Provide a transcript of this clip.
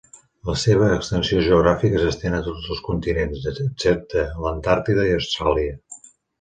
La seva extensió geogràfica s'estén a tots els continents excepte l'Antàrtida i Austràlia.